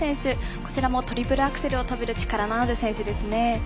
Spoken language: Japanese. こちらもトリプルアクセルを跳べる力のある選手ですね。